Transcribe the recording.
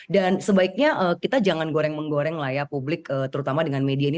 sebaiknya kita jangan goreng menggoreng lah ya publik terutama dengan media ini